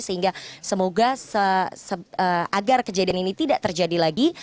sehingga semoga agar kejadian ini tidak terjadi lagi